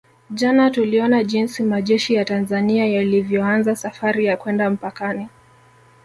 Jana tuliona jinsi majeshi ya Tanzania yalivyoanza safari ya kwenda mpakani